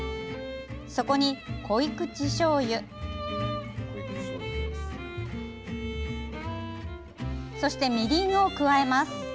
そこに、濃口しょうゆそして、みりんを加えます。